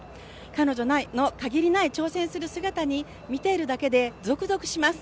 彼女の限りない挑戦する姿に見ているだけでゾクゾクします。